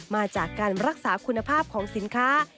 มาจากการรักษาคุณภาพของสินค้า